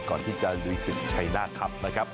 ก่อนที่จะลุยศึกชัยหน้าครับนะครับ